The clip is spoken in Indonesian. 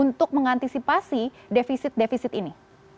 untuk mengantisipasi defisit defisit ini